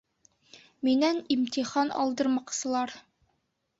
Минән имтихан алдырмаҡсылар.